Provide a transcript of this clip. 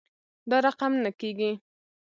دا رقم نه کیږي